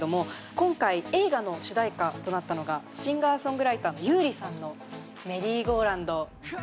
今回映画の主題歌となったのがシンガー・ソングライターの優里さんの『メリーゴーランド』。